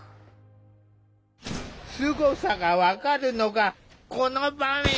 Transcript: すごさが分かるのがこの場面。